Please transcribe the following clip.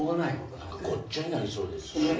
ごっちゃになりそうですしね